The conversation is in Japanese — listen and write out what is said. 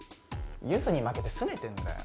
ユズに負けてすねてんだよ